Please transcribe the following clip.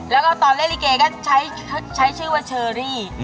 แล้วก็ตอนเล่นลิเกก็ใช้ชื่อว่าเชอรี่